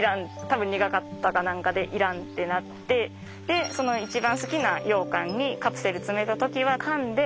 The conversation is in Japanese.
多分苦かったか何かで要らんってなってでその一番好きなようかんにカプセル詰めた時はかんで。